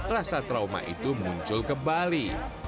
rasa trauma itu muncul kembali